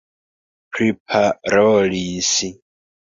priparolis